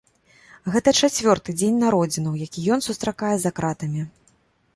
Гэта чацвёрты дзень народзінаў, які ён сустракае за кратамі.